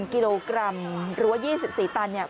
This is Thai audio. ๒๔๐๐๐กิโลกรัมหรือว่า๒๔ตัน